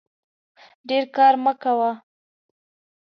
ډیر کار مه کوئ